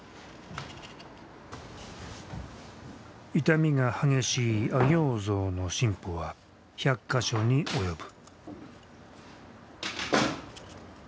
傷みが激しい阿形像の新補は１００か所に及ぶ。